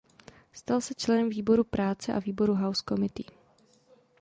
Stal se členem výboru práce a výboru House Committee.